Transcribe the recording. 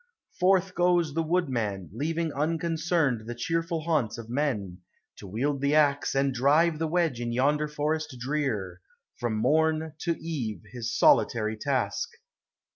Forth goes the woodman, leaving unconcerned The cheerful haunts of men, to wield the BX6 And drive the wedge in yonder forest drear, From morn to eve his solitary task.